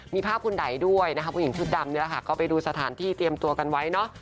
มีภาพคุณไดด้วยนะคะผู้หญิงชุดดำนี่แหละค่ะก็ไปดูสถานที่เตรียมตัวกันไว้เนอะ